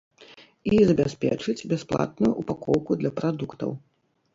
І забяспечыць бясплатную упакоўку для прадуктаў.